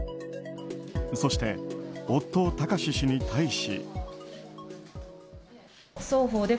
そして、夫・貴志氏に対し。